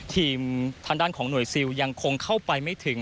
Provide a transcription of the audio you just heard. ทางด้านของหน่วยซิลยังคงเข้าไปไม่ถึง